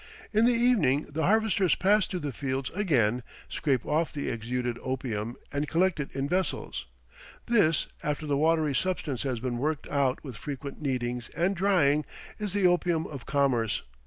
In the evening the harvesters pass through the fields again, scrape off the exuded opium, and collect it in vessels. This, after the watery substance has been worked out with frequent kneadings and drying, is the opium of commerce.